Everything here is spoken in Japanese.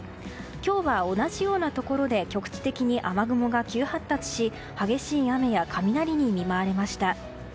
今日は同じようなところで局地的に雨雲が急発達し激しい雨や雷に見舞われました。